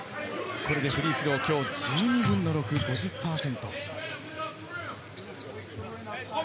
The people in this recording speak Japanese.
これでフリースロー、今日１２分の６、５０％。